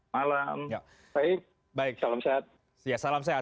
malam baik salam sehat